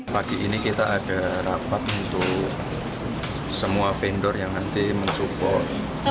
pagi ini kita ada rapat untuk semua vendor yang nanti mensupport